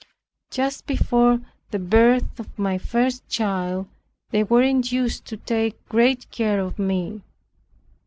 Just before the birth of my first child, they were induced to take great care of me.